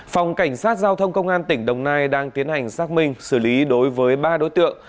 phòng cảnh sát giao thông công an tỉnh đồng nai đang tiến hành xác minh xử lý đối với ba đối tượng